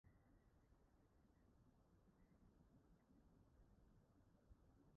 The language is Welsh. Mae person yn paentio cymeriadau Asiaidd ar faner.